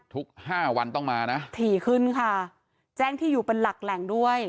ทุกห้าวันต้องมานะถี่ขึ้นค่ะแจ้งที่อยู่เป็นหลักแหล่งด้วย